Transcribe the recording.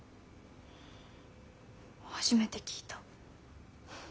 初めて聞いた。